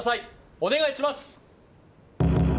お願いします